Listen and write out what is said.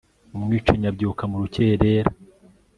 umwicanyi abyuka mu rukerera